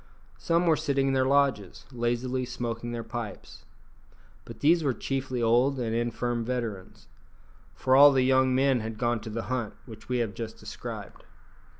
Some were sitting in their lodges, lazily smoking their pipes. But these were chiefly old and infirm veterans, for all the young men had gone to the hunt which we have just described.